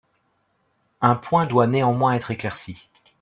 Un point doit néanmoins être éclairci.